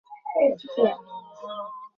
Oil palm যেহেতু একটি palm জাতীয় গাছ।